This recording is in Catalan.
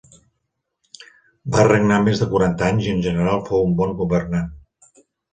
Va regnar més de quaranta anys i en general fou un bon governant.